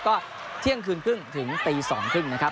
ก็เที่ยงคืนครึ่งถึงตี๒๓๐นะครับ